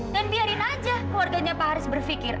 dan biarin aja keluarganya pak haris berfikir